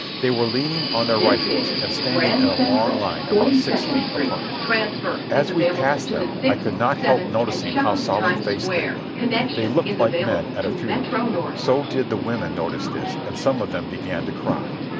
They were leaning on their rifles and standing in a long line about six feet apart. As we passed them I could not help noticing how solemn faced they were. They looked like men at a funeral. So did the women notice this, and some of them began to cry.